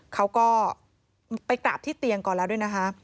เขาก็ไปกราบที่เตียงก่อนแล้วด้วยนะคะ